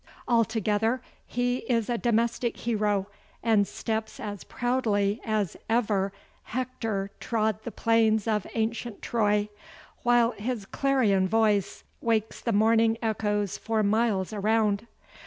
Altogether he is a domestic hero and steps as proudly as ever Hector trod the plains of ancient Troy, while his clarion voice wakes the morning echoes for miles around.